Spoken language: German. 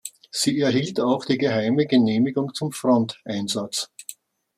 Sie erhielt auch die geheime Genehmigung zum Fronteinsatz.